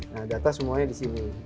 nah data semuanya di sini